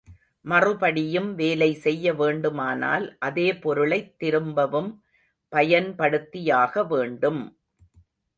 மறுபடியும் வேலை செய்ய வேண்டுமானால் அதே பொருளைத் திரும்பவும் பயன்படுத்தியாகவேண்டும்.